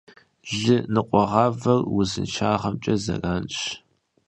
Лы ныкъуэвэр узыншагъэмкӏэ зэранщ.